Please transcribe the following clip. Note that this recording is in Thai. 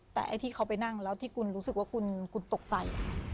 แต่ที่เขาไปนั่งแล้วที่กูรู้สึกว่ากูตกใจ